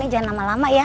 keributnya aman masih